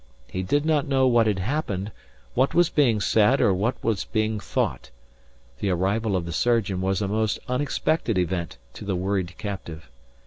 He did not know what had happened, what was being said or what was being thought. The arrival of the surgeon was a most unexpected event to the worried captive.